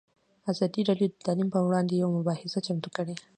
ازادي راډیو د تعلیم پر وړاندې یوه مباحثه چمتو کړې.